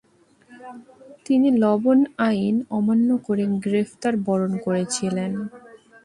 তিনি লবণ আইন অমান্য করে গ্রেফতার বরণ করেছিলেন।